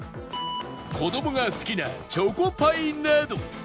子どもが好きなチョコパイなど